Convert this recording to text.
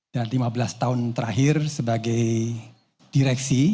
dan lima belas tahun terakhir sebagai direksi